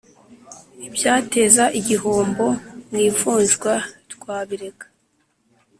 ibyateza igihombo mu ivunjwa twabireka